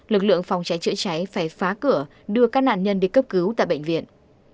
lực lượng phòng cháy chữa cháy phải phá cửa đưa các nạn nhân đi cấp cứu tại bệnh viện